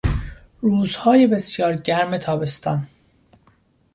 روزهای بسیار گرم تابستان